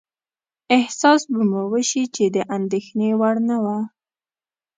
احساس به مو شي چې د اندېښنې وړ نه وه.